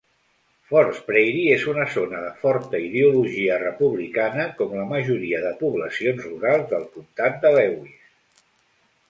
Fords Prairie es una zona de forta ideologia republicana, com la majoria de poblacions rurals del comtat de Lewis.